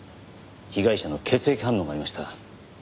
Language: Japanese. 被害者の血液反応がありました。